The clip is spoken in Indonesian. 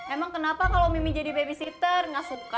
emang kenapa kalau mimi jadi babysitter nggak suka